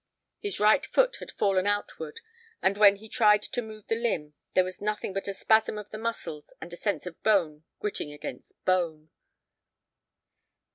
His right foot had fallen outward, and when he tried to move the limb there was nothing but a spasm of the muscles and a sense of bone gritting against bone.